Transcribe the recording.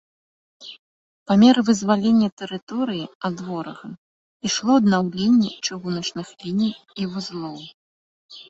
Па меры вызвалення тэрыторыі ад ворага ішло аднаўленне чыгуначных ліній і вузлоў.